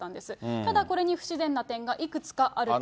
ただこれに不自然な点がいくつかあると。